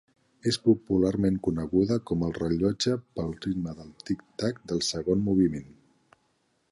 És popularment coneguda com El rellotge pel ritme de tic-tac del segon moviment.